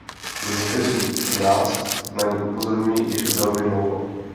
Někteří z nás na ni upozorňují již velmi dlouho.